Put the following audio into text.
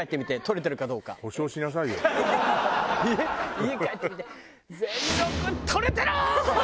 家帰ってみて。